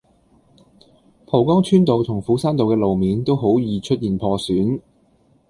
蒲崗村道同斧山道嘅路面都好易出現破損